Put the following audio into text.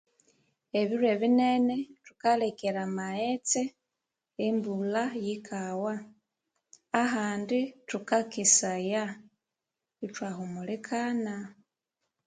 Ebiro ebinene thukalekera amghetse embulha yikawa ahandi thukakesaya ithwahumulikana